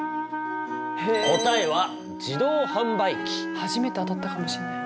初めて当たったかもしれない。